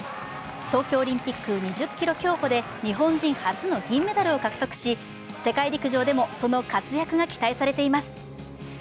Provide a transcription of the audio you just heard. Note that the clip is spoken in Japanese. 東京オリンピック２０ｋｍ競歩で日本人初の銀メダルを獲得し世界陸上でもその活躍が期待されています。